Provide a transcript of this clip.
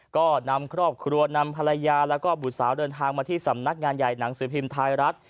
ก็นำครอบครัวนำภรรยาแล้วก็บุตรสาวเดินทางมาที่สำนักงานใหญ่หนังสือพิมพ์ไทยรัฐ